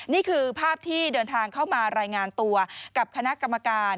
นี่คือภาพที่เดินทางเข้ามารายงานตัวกับคณะกรรมการ